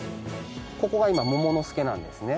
ここが今もものすけなんですね。